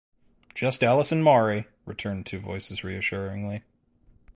"Just Ellis and Maury," returned two voices reassuringly.